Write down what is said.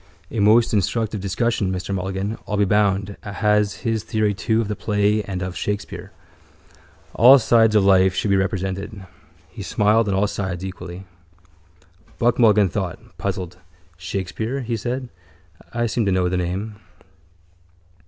A most instructive discussion. Mr Mulligan, I'll be bound, has his theory too of the play and of Shakespeare. All sides of life should be represented. He smiled on all sides equally. Buck Mulligan thought, puzzled: —Shakespeare? he said. I seem to know the name.